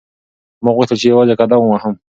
ما غوښتل چې یوازې قدم ووهم.